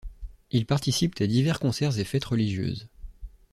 Ils participent à divers concerts et fêtes religieuses.